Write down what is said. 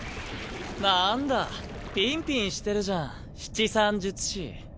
なんだピンピンしてるじゃん七三術師。